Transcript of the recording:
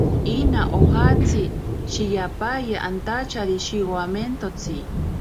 Ina ojatsi aye shiyapena antachari pishiwaimentotsi.